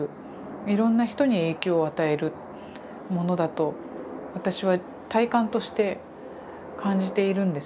いろんな人に影響を与えるものだと私は体感として感じているんですね。